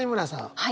はい。